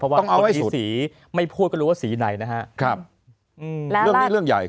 เพราะว่าคนมีสีไม่พูดก็รู้ว่าสีไหนนะฮะเรื่องนี้เรื่องใหญ่